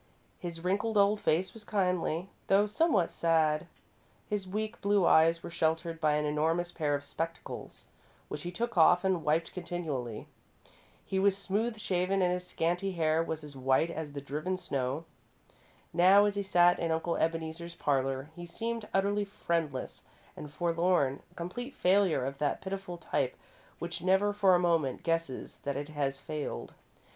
His wrinkled old face was kindly, though somewhat sad. His weak blue eyes were sheltered by an enormous pair of spectacles, which he took off and wiped continually. He was smooth shaven and his scanty hair was as white as the driven snow. Now, as he sat in Uncle Ebeneezer's parlour, he seemed utterly friendless and forlorn a complete failure of that pitiful type which never for a moment guesses that it has failed.